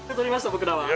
僕らは。